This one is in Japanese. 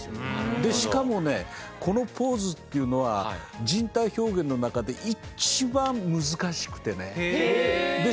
でしかもねこの構図というのは人体表現の中で一番難しくてねで